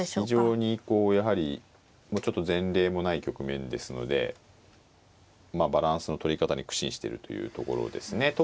非常にこうやはりもうちょっと前例もない局面ですのでまあバランスの取り方に苦心してるというところですね。